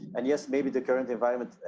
dan ya mungkin dalam keadaan sekarang